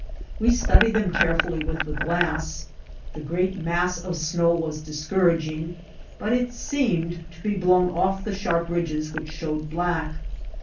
We studied them carefully with the glass. The great mass of snow was discouraging, but it seemed to be blown off the sharp ridges which showed black.